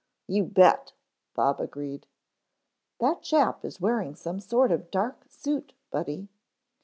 "You bet," Bob agreed. "That chap is wearing some sort of dark suit, Buddy."